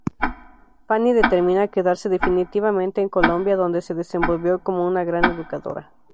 Fanny determina quedarse definitivamente en Colombia donde se desenvolvió como una gran educadora.